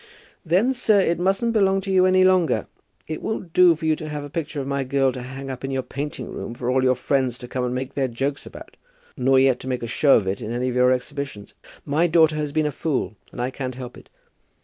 "Then, sir, it mustn't belong to you any longer. It won't do for you to have a picture of my girl to hang up in your painting room for all your friends to come and make their jokes about, nor yet to make a show of it in any of your exhibitions. My daughter has been a fool, and I can't help it.